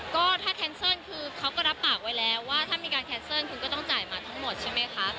ก็ถ้าแคนเซิลคือเขาก็รับปากไว้แล้วว่าถ้ามีการแคนเซิลคุณก็ต้องจ่ายมาทั้งหมดใช่ไหมคะ